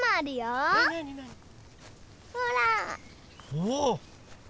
おお！